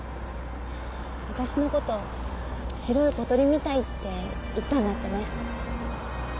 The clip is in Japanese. わたしのこと白い小鳥みたいって言ったんだってね。